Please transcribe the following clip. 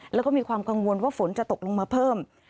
แล้วก็มีความกังวลว่าฝนจะตกลงมาเพิ่ม